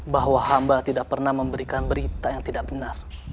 bahwa hamba tidak pernah memberikan berita yang tidak benar